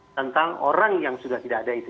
tentang orang yang sudah tidak ada itu